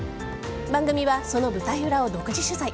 番組は、その舞台裏を独自取材。